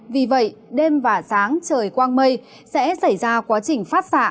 vì vậy đêm và sáng trời quang mây sẽ xảy ra quá trình phát xạ